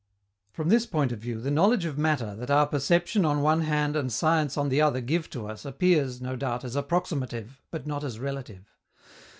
_ From this point of view the knowledge of matter that our perception on one hand and science on the other give to us appears, no doubt, as approximative, but not as relative.